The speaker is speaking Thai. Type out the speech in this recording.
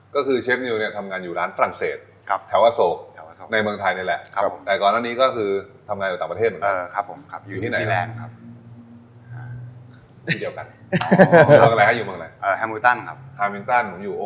ก็คือเชฟนิวเนี่ยทำงานอยู่ร้านฝรั่งเศสครับแถวอโสกแถวอโสก